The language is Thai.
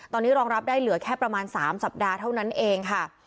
ตอนนี้รองรับได้เหลือแค่ประมาณ๓สัปดาห์เท่านั้นเองค่ะ